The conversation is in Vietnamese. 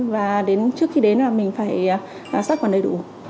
và trước khi đến thì mình phải sắp còn đầy đủ